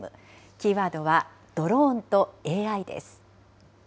キーワードはドローンとＡＩです。